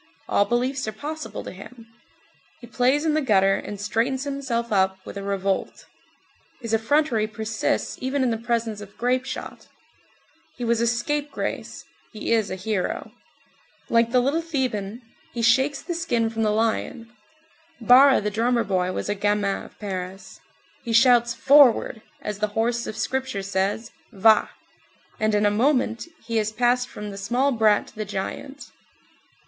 All beliefs are possible to him. He plays in the gutter, and straightens himself up with a revolt; his effrontery persists even in the presence of grape shot; he was a scapegrace, he is a hero; like the little Theban, he shakes the skin from the lion; Barra the drummer boy was a gamin of Paris; he Shouts: "Forward!" as the horse of Scripture says "Vah!" and in a moment he has passed from the small brat to the giant.